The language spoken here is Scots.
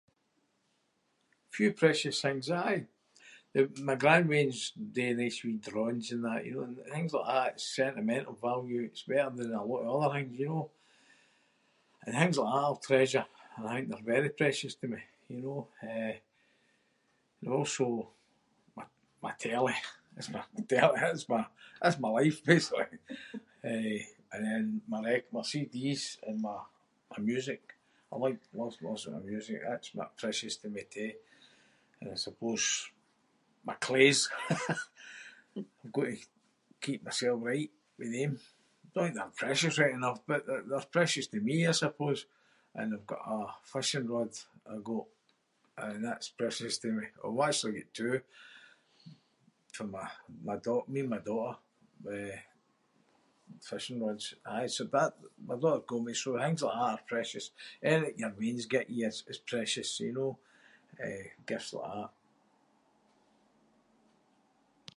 Few precious things, aye. Th- my grandweans do nice wee drawings and that, you know, and things like that- it's sentimental value. It’s better than a lot of other things, you know? And things like that I’ll treasure and I think they’re very precious to me, you know? Eh, there also my- my telly. It’s my telly- that’s my- that's my life, basically. Eh, and then my recor- my CDs and my- my music. I like lis- listening to my music. That’s precious to me too. And I suppose my claes. I’ve got to keep myself right with them. I don’t think they’re precious, right enough, but th- they’re precious to me, I suppose. And I've got a fishing rod I got and that’s precious to me. Well I’ve actually got two for my- my dau- me and my daughter we- fishing rods. Aye, so that- my daughter got me, so things like that are precious. Anything that your weans get you is- is precious, you know? Eh, gifts like that.